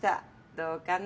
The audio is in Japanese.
どうかな？